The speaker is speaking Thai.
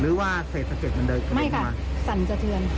หรือว่าเสร็จแต่เจ็บมันเดินเข้ามาไม่ค่ะสนเตือน